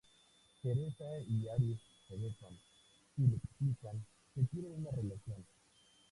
Teresa y Aris se besan y le explican que tienen una relación.